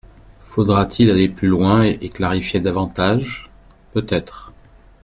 Faudra-t-il aller plus loin et clarifier davantage ? Peut-être.